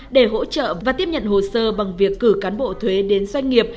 để hỗ trợ và tiếp nhận hồ sơ bằng việc cử cán bộ thuế đến doanh nghiệp